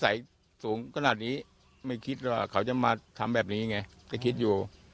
สูงขนาดนี้ไม่คิดว่าเขาจะมาทำแบบนี้ไงก็คิดอยู่